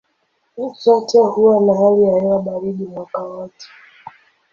Zote huwa na hali ya hewa baridi mwaka wote.